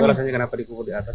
alasannya kenapa dikubur di atas